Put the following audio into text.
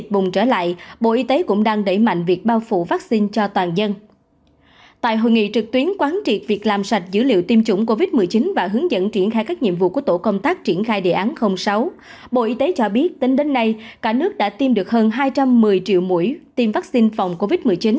bộ y tế cho biết tính đến nay cả nước đã tiêm được hơn hai trăm một mươi triệu mũi tiêm vaccine phòng covid một mươi chín